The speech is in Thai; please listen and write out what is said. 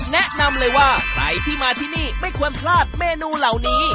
แนะนำเลยว่าใครที่มาที่นี่ไม่ควรพลาดเมนูเหล่านี้